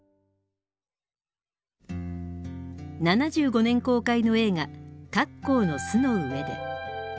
７５年公開の映画「カッコーの巣の上で」。